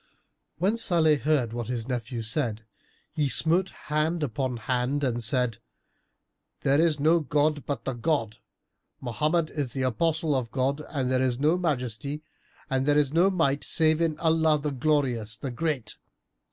When Salih heard what his nephew said, he smote hand upon hand and said, "There is no god but the God! Mohammed is the Apostle of God and there is no Majesty and there is no Might save in Allah, the Glorious, the Great!"